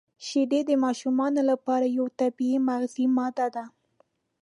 • شیدې د ماشومانو لپاره یو طبیعي مغذي ماده ده.